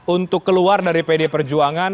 untuk keluar dari pd perjuangan